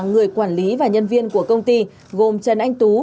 người quản lý và nhân viên của công ty gồm trần anh tú